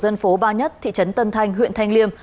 dân phố ba nhất thị trấn tân thanh huyện thanh liêm